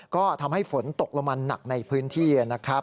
ก็ทำให้ฝนตกลงมาหนักในพื้นที่นะครับ